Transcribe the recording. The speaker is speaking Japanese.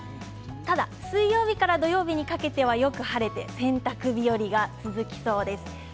ただ水曜日から土曜日にかけてはよく晴れて洗濯日和が続きそうです。